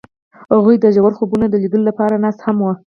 هغوی د ژور خوبونو د لیدلو لپاره ناست هم وو.